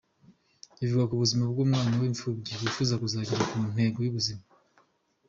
Ivuga ku buzima bw’umwana w’imfubyi wifuza kuzagera ku ntego mu buzima.